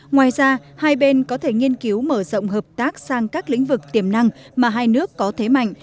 ngoài ra hai bên có thể nghiên cứu mở rộng hợp tác sang các lĩnh vực tiềm năng mà hai nước có thế mạnh